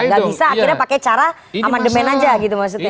gak bisa akhirnya pakai cara amandemen aja gitu maksudnya